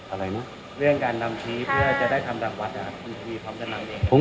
อะไรนะเรื่องการนำชี้เพื่อจะได้ทำรังวัดคุณพีพร้อมจะนำเอง